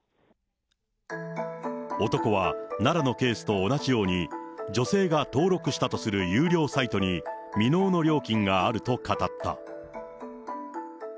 男は、奈良のケースと同じように、女性が登録したとする有料サイトに未納の料金があると語った。